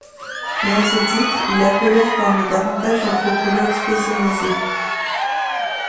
Et à ce titre il appelait à former davantage d'anthropologues spécialisés.